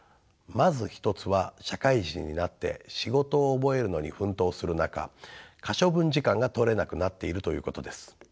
まず１つは社会人になって仕事を覚えるのに奮闘する中可処分時間が取れなくなっているということです。